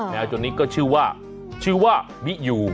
ตัวนี้ก็ชื่อว่าชื่อว่ามิยู